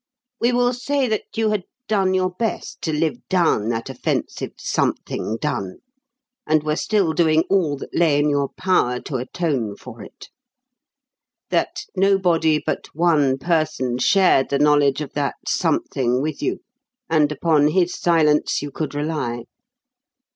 We will say you had done your best to live down that offensive 'something' done, and were still doing all that lay in your power to atone for it; that nobody but one person shared the knowledge of that 'something' with you, and upon his silence you could rely.